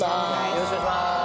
よろしくお願いします。